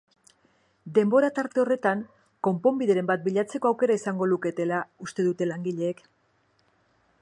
Denbora tarte horretan konponbideren bat bilatzeko aukera izango luketela uste dute langileek.